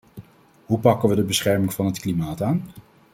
Hoe pakken we de bescherming van het klimaat aan?